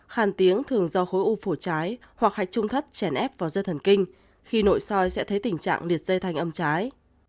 khàn tiếng thường do khối u phổi trái hoặc hạch trung thất chèn ép vào dây thần kinh khi nội soi sẽ thấy tình trạng liệt dây thanh âm trái